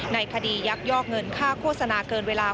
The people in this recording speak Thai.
ในคดียักยอกเงินค่าโฆษณาเกินเวลา